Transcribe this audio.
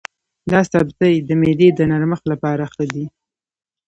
دا سبزی د معدې د نرمښت لپاره ښه دی.